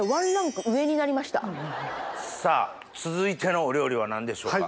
さぁ続いてのお料理は何でしょうか？